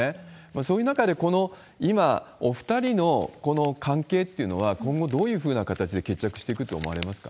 そういう中で今、お２人のこの関係っていうのは、今後、どういうふうな形で決着していくと思われますか？